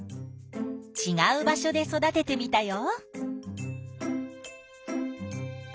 ちがう場所で育ててみたよ。